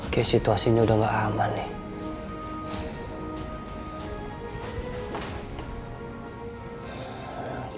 oke situasinya udah nggak aman nih